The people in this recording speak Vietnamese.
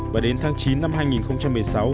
và đến tháng chín năm hai nghìn một mươi sáu